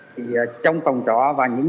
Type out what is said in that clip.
thì trong tổng trọ và những nghiên cứu